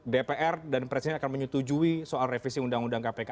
dpr dan presiden akan menyetujui soal revisi undang undang kpk